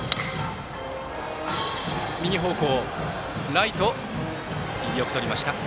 ライト、よくとりました。